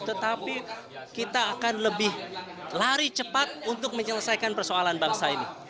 tetapi kita akan lebih lari cepat untuk menyelesaikan persoalan bangsa ini